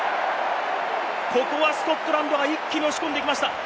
ここはスコットランドが一気に押し込んでいきました。